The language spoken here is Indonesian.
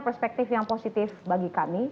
perspektif yang positif bagi kami